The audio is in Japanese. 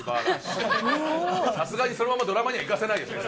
さすがにそのままドラマには行かせないですね